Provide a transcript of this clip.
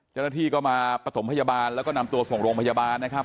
เจ้าหน้าที่ก็มาปฐมพยาบาลแล้วก็นำตัวส่งโรงพยาบาลนะครับ